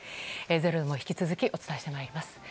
「ｚｅｒｏ」でも引き続きお伝えしてまいります。